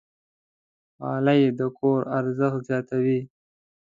غالۍ د کور ارزښت زیاتوي.